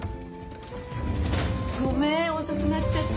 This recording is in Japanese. ごめん遅くなっちゃって。